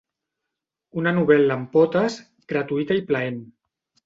Una novel·la amb potes, gratuïta i plaent.